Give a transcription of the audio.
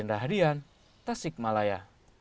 anda hadian tasik malaya